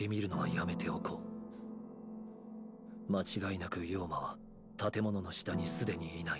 間違いなく「陽馬」は建物の下にすでに居ない。